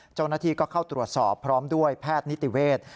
เจ้าหน้าที่ก็เข้าตรวจสอบพร้อมด้วยแพทย์นิติเวศ